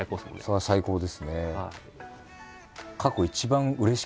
それは最高ですね。